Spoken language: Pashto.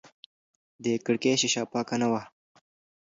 د کړکۍ شیشه پاکه نه وه.